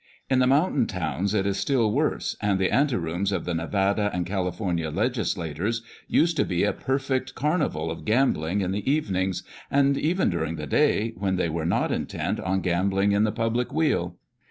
In the mountain towns it is still worse, and the ante rooms of the Nevada and California legislators used to be a perfect car nival of gambling in the evenings, and even during the day, when they were not intent on gambling in the public weal.